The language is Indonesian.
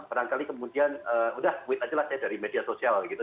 padahal kemudian udah quit aja lah dari media sosial gitu